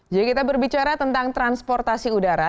jadi kita berbicara tentang transportasi udara